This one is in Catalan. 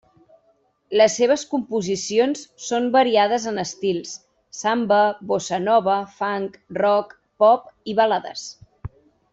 Les seves composicions són variades en estils: samba, bossa nova, funk, rock, pop i balades.